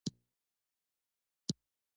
بې سواده کس ړوند شمېرل کېږي